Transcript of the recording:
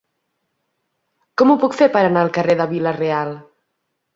Com ho puc fer per anar al carrer de Vila-real?